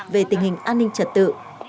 về tình hình an ninh trật tự